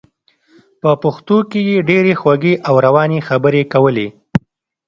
په پښتو یې ډېرې خوږې او روانې خبرې کولې.